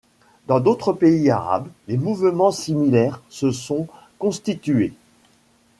Dans d'autres pays arabes, des mouvements similaires se sont constitués.